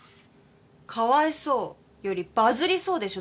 「かわいそう」より「バズりそう」でしょ